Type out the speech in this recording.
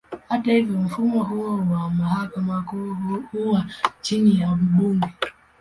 Hata hivyo, mfumo huo wa mahakama huwa chini ya bunge.